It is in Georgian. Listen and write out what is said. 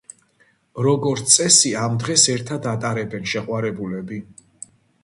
როგორც წესი, ამ დღეს ერთად ატარებენ შეყვარებულები.